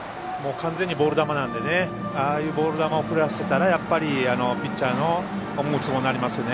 完全にボール球なのでああいうボール球を振らせたらピッチャーの思うつぼになりますよね。